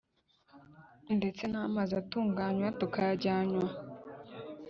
ndetse n’amazi atunganywa tukayanywa